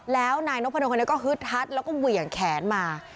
แล้วนายนพดลคนนี้ก็ฮึดฮัดแล้วก็เหวี่ยงแขนมา